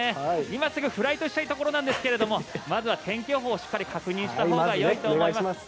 今すぐフライトしたいところなんですがまずは天気予報をしっかり確認したほうがよいと思います。